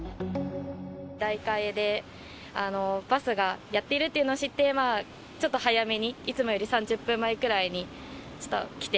代替でバスがやっているというのを知って、まあ、ちょっと早めに、いつもより３０分前くらいに来て。